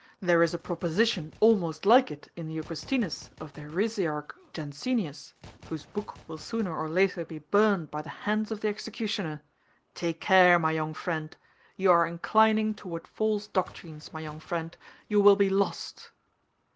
There is a proposition almost like it in the Augustinus of the heresiarch Jansenius, whose book will sooner or later be burned by the hands of the executioner. Take care, my young friend. You are inclining toward false doctrines, my young friend; you will be lost."